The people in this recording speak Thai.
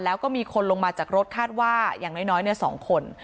แล้วก็มีคนลงมาจากรถคาดว่าอย่างน้อย๒คน